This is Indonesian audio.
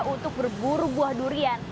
untuk berburu buah durian